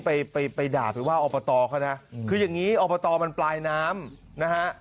ไปไปด่าหรือว่าอค่ะนะคือย่างงี้อมันปลายน้ำนะฮะ